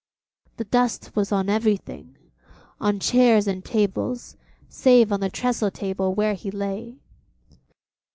The dust was on everything: on chairs and tables, save on the trestle table where he lay.